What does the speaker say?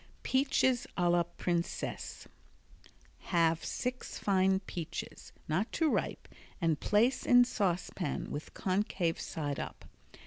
Peaches a la Princesse Halve six fine peaches, not too ripe, and place in saucepan with concave side up.